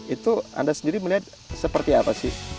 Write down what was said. itu anda sendiri melihat seperti apa sih